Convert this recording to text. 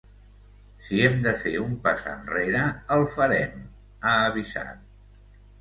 Si hem de fer un pas enrere, el farem, ha avisat.